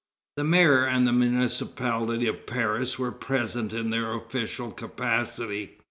The mayor and municipality of Paris were present in their official capacity.